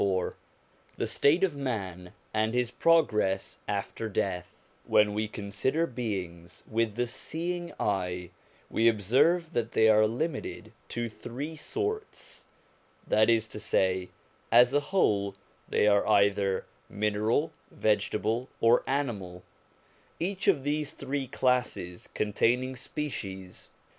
LXIV THE STATE OF MAN AND HIS PROGRESS AFTER DEATH WHEN we consider beings with the seeing eye, we observe that they are limited to three sorts : that is to say, as a whole, they are either mineral, vegetable, or animal ; each of these three classes containing species.